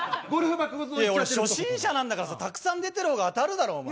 俺、初心者なんだから、たくさん出てる方が当たるだろ。